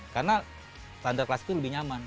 karena standar klasik itu lebih nyaman